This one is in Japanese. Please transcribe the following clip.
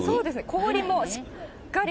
氷もしっかり。